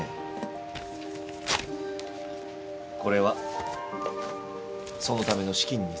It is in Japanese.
これはそのための資金に使って。